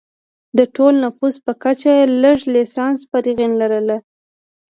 د ټول نفوس په کچه لږ لسانس فارغین لرل.